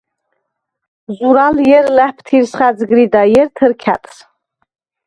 ზურალ ჲერ ლა̈ფთირს ხა̈ძგრიდა, ჲერ თჷრკა̈ტს.